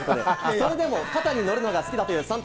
それでも肩に乗るのが好きだというさん